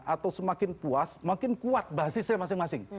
atau semakin puas makin kuat basisnya masing masing